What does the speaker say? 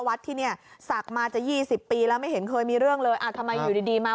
วัดที่ส่ากมาจน๒๐ปีแล้วไม่เห็นเคยมีเรื่องเลยทำไมอยู่ดีมัน